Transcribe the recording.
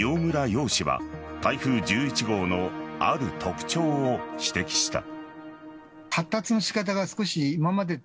曜氏は台風１１号のある特徴を指摘した。